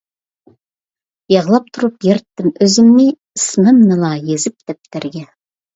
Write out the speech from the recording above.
يىغلاپ تۇرۇپ يىرتتىم ئۆزۈمنى، ئىسمىمنىلا يېزىپ دەپتەرگە.